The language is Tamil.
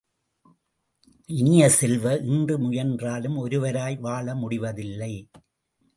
இனிய செல்வ, இன்று முயன்றாலும் ஒருவராய் வாழ முடிவதில்லை.